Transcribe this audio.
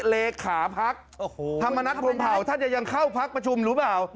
เลขาพักธรรมนัฐพรมเผาท่านจะยังเข้าพักประชุมหรือเปล่า